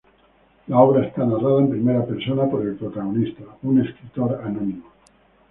La obra está narrada en primera persona por el protagonista, un escritor anónimo.